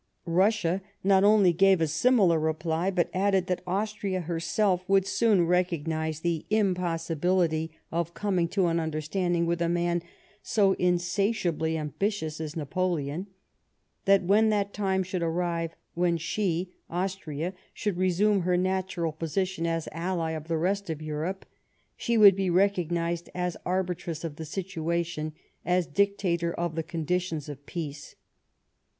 Russia not only gave a similar reply, but added that Austria herself would soon recognise the impossibility of coming to an understanding with a man so insatiably ambitious as Napoleon ; that when that time should arrive, when she, Austria, should resume her natural position as ally of the rest of ]*]urope, she would be recognised as arbitress of the situation, as dictator of the conditions of peace.